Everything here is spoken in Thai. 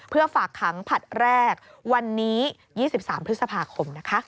เพื่อฝากขังผลัดแรกวันนี้๒๓พฤษภาคมนะคะ